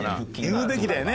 言うべきだよね。